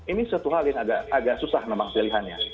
ini satu hal yang agak susah memang pilihannya